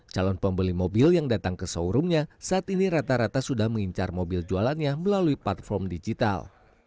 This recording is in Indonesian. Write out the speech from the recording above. calon pembeli mobil yang datang ke showroomnya saat ini rata rata sudah mengincar mobil jualannya melalui platform digital